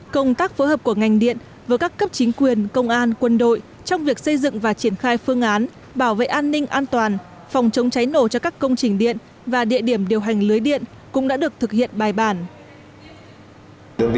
công tác phối hợp của ngành điện với các cấp chính quyền công an quân đội trong việc xây dựng và triển khai phương án bảo vệ an ninh an toàn phòng chống cháy nổ cho các công trình điện và địa điểm điều hành lưới điện cũng đã được thực hiện bài bản